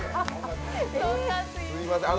すいません。